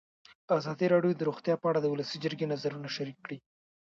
ازادي راډیو د روغتیا په اړه د ولسي جرګې نظرونه شریک کړي.